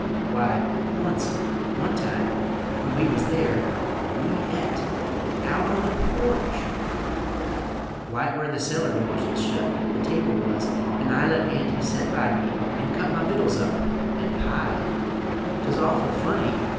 W'y, wunst, one time, when we wuz there, We et out on the porch! Wite where the cellar door wuz shut The table wuz; an' I Let Aunty set by me an' cut My vittuls up an' pie. 'Tuz awful funny!